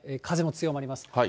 風も強まります。